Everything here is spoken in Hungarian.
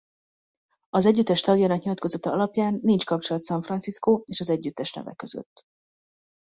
Az együttes tagjainak nyilatkozata alapján nincs kapcsolat San Francisco és az együttes neve között.